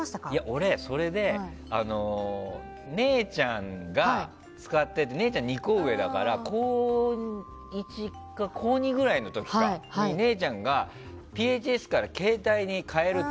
俺、それで姉ちゃんが２個上だから高１か高２ぐらいの時に姉ちゃんがＰＨＳから携帯に変えると。